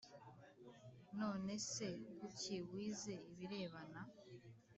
None se kuki wize ibirebana